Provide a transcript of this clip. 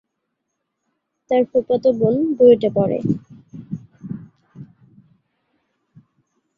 তার ফুফাতো বোন বুয়েটে পড়ে।